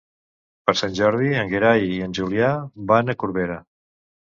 Per Sant Jordi en Gerai i en Julià van a Corbera.